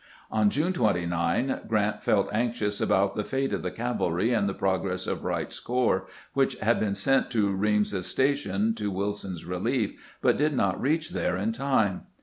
On June 29, G rant felt anxious about the fate of the cavalry and the progress of Wright's corps, which had been sent to Reams's Station to Wilson's relief, but did not reach there m time.